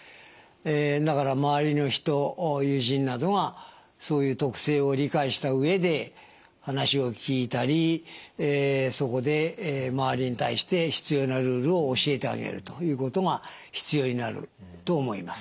だから周りの人友人などがそういう特性を理解した上で話を聞いたりそこで周りに対して必要なルールを教えてあげるということが必要になると思います。